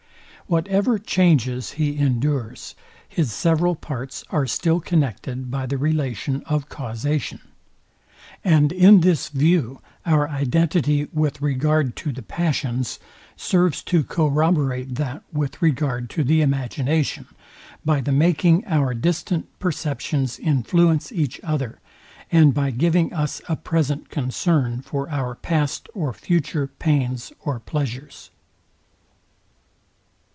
Whatever changes he endures, his several parts are still connected by the relation of causation. And in this view our identity with regard to the passions serves to corroborate that with regard to the imagination, by the making our distant perceptions influence each other, and by giving us a present concern for our past or future pains or pleasures.